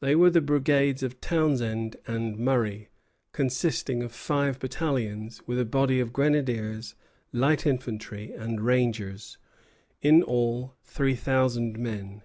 They were the brigades of Townshend and Murray, consisting of five battalions, with a body of grenadiers, light infantry, and rangers, in all three thousand men.